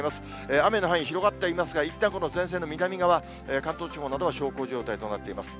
雨の範囲、広がってはいますが、いったん、この前線の南側、関東地方などは小康状態となっています。